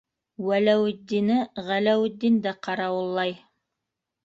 Вәләүетдине Ғәләүетдинде ҡарауыллай.